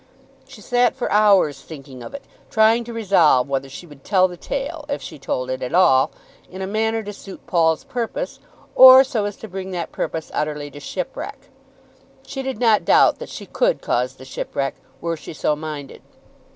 She sat for hours thinking of it, trying to resolve whether she would tell the tale, if she told it at all, in a manner to suit Paul's purpose, or so as to bring that purpose utterly to shipwreck. She did not doubt that she could cause the shipwreck were she so minded.